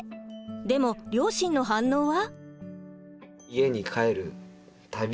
でも両親の反応は？